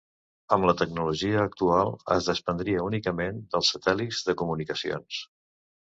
Amb la tecnologia actual, es dependria únicament, dels satèl·lits de comunicacions.